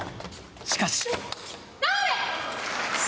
しかし。